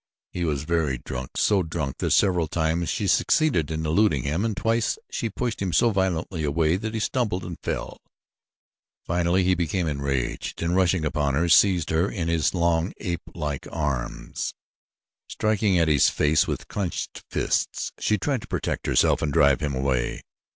He was very drunk, so drunk that several times she succeeded in eluding him and twice she pushed him so violently away that he stumbled and fell. Finally he became enraged and rushing upon her, seized her in his long, apelike arms. Striking at his face with clenched fists she tried to protect herself and drive him away.